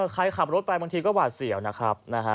ใครขับรถไปบางทีก็หวาดเสียวนะครับ